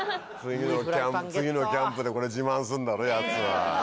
次のキャンプで自慢すんだろヤツは。